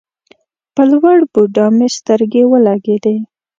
په لوړ بودا مې سترګې ولګېدې.